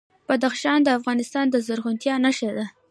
بدخشان د افغانستان د زرغونتیا نښه ده.